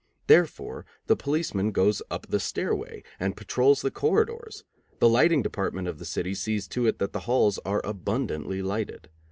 Therefore, the policeman goes up the stairway, and patrols the corridors; the lighting department of the city sees to it that the halls are abundantly lighted.